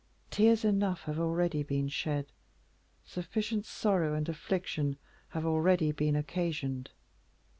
Tears enough have already been shed, sufficient sorrow and affliction have already been occasioned.